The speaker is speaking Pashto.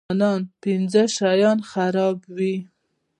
ځوانان پنځه شیان خرابوي.